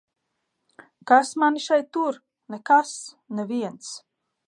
Kas mani šeit tur? Nekas. Neviens.